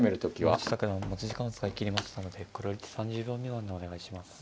森下九段持ち時間を使い切りましたのでこれより一手３０秒未満でお願いします。